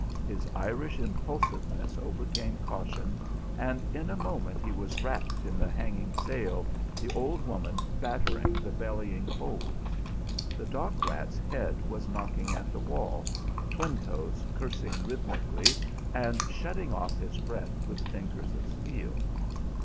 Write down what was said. His Irish impulsiveness overcame caution, and in a moment he was wrapped in the hanging sail, the old woman battering the bellying folds. The dock rat's head was knocking at the wall, Twinetoes cursing rhythmically and shutting off his breath with fingers of steel.